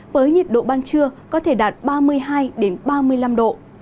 với nhiệt độ ban trưa có thể đạt ba mươi hai ba mươi năm độ